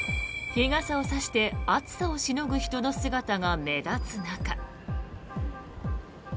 日傘を差して暑さをしのぐ人の姿が目立つ中。